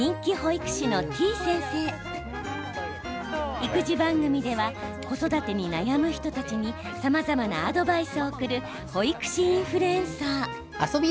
育児番組では子育てに悩む人たちにさまざまなアドバイスを送る保育士インフルエンサー。